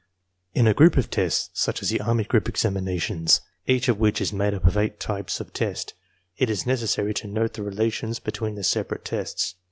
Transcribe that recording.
In a group of tests, such as the army group examinations, each of which is made up of eight types of test, it is necessary to note the relations between the separate tests.